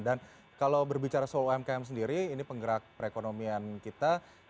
dan kalau berbicara soal umkm sendiri ini penggerak perekonomian kita